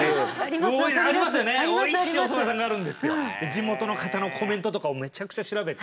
地元の方のコメントとかをめちゃくちゃ調べて。